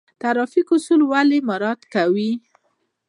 ټرافیکي اصول ولې مراعات کړو؟